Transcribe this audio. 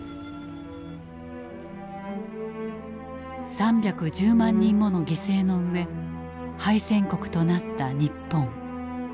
３１０万人もの犠牲の上敗戦国となった日本。